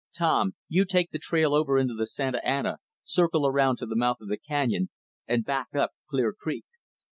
Tom, you take the trail over into the Santa Ana, circle around to the mouth of the canyon, and back up Clear Creek.